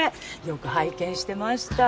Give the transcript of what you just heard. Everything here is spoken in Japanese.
よく拝見してました。